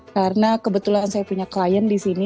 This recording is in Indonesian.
karena kebetulan saya punya klien di sini